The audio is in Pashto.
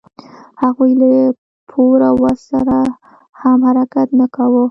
هغوی له پوره وس سره هم حرکت نه کاوه.